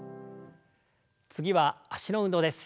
次は脚の運動です。